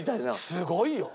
すごいよ。